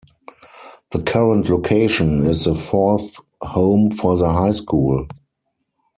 The current location is the fourth home for the high school.